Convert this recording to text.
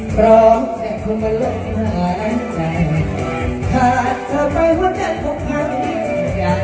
เพราะแค่คุณมันร่วมที่มหาใจถ้าเธอไปหัวเจ้าของพร้อมอย่างสุดยอด